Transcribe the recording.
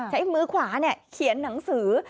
ใช้มือขวาเขียนหนังสือ